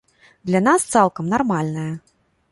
Для нас цалкам нармальная.